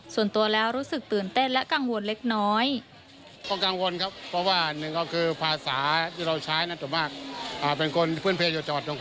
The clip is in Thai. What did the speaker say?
ส่วนตัวแล้วรู้สึกตื่นเต้นและกังวลเล็กน้อย